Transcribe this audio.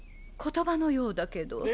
言葉のようだけど。